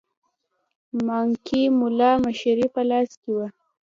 مانکي مُلا مشري په لاس کې وه.